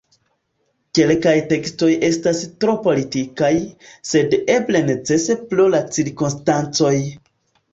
Kelkaj tekstoj estas tro politikaj, sed eble necese pro la cirkonstancoj.